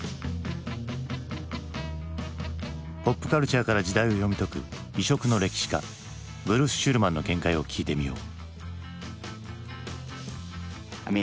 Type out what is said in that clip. ポップカルチャーから時代を読み解く異色の歴史家ブルース・シュルマンの見解を聞いてみよう。